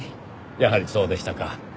やはりそうでしたか。